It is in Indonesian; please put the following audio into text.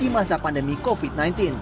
di masa pandemi covid sembilan belas